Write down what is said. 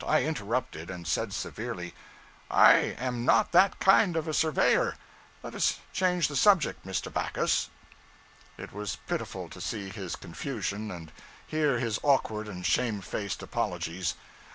I interrupted, and said severely 'I am not that kind of a surveyor. Let us change the subject, Mr. Backus.' It was pitiful to see his confusion and hear his awkward and shamefaced apologies.